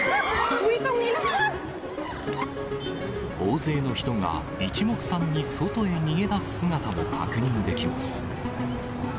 大勢の人がいちもくさんに外へ逃げ出す姿も確認できます。